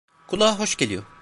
Kulağa hoş geliyor.